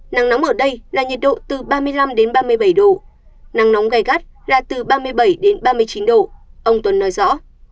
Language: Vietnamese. nắng nóng ở đây là nhiệt độ từ ba mươi năm đến ba mươi bảy độ nắng nóng gai gắt là từ ba mươi bảy đến ba mươi chín độ ông tuấn nói rõ